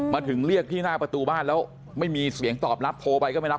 มาถึงเรียกที่หน้าประตูบ้านแล้วไม่มีเสียงตอบรับโทรไปก็ไม่รับ